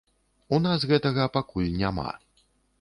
У нас гэтага пакуль няма.